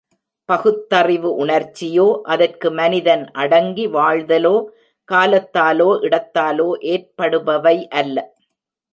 பகுத்தறிவு உணர்ச்சியோ, அதற்கு மனிதன் அடங்கி வாழ்தலோ, காலத்தாலோ, இடத்தாலோ ஏற்படுபவை அல்ல.